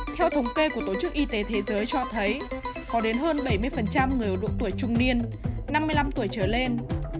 theo thống kê của tổ chức y tế thế giới cho thấy có đến hơn bảy mươi người ở độ tuổi trung niên năm mươi năm tuổi trở lên